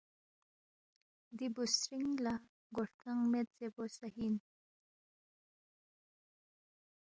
دی بُوسترِنگ لہ گوہرکنگ مید زیربو صحیح اِن،